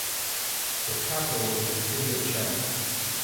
Its capital is the city of Cheb.